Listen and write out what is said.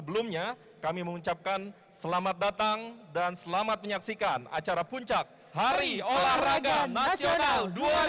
sebelumnya kami mengucapkan selamat datang dan selamat menyaksikan acara puncak hari olahraga nasional